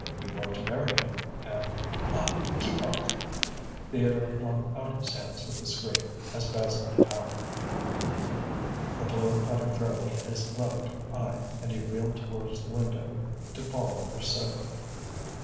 "You want to marry him, and ah! keep off!" Theodore flung out his hands with a scream, as Basil hit out. The blow caught him fairly in his left eye, and he reeled towards the window to fall on the sofa.